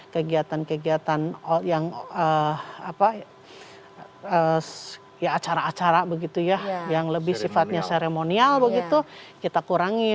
kegiatan kegiatan yang acara acara begitu ya yang lebih sifatnya seremonial begitu kita kurangi